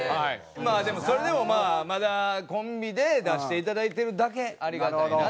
でもそれでもまあまだコンビで出していただいてるだけありがたいなという。